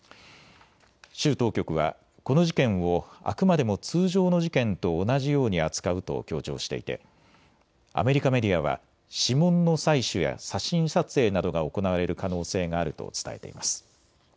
州当局はこの事件をあくまでも通常の事件と同じように扱うと強調していてアメリカメディアは指紋の採取や写真撮影などが行われる可能性があると伝えています。